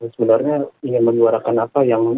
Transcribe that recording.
sebenarnya ingin menyuarakan apa yang